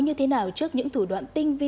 như thế nào trước những thủ đoạn tinh vi